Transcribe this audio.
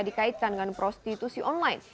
dikaitkan dengan prostitusi online